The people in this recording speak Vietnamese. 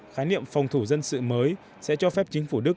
khái niệm phòng thủ dân sự mới sẽ cho phép chính phủ đức